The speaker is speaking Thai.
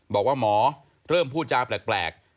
บอกว่าหมอเริ่มพูดจาแปลก